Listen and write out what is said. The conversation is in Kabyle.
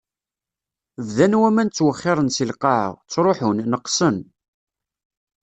Bdan waman ttwexxiṛen si lqaɛa, ttṛuḥun, neqqsen.